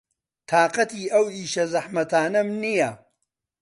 تاقەتی ئەو ئیشە زەحمەتانەم نییە.